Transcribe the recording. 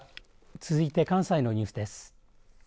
続いて関西のニュースです。